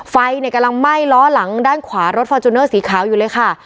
ไฟเนี่ยกำลังไหม้ล้อหลังด้านขวารถฟอร์จูเนอร์สีขาวอยู่เลยค่ะ